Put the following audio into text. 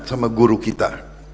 sama guru kita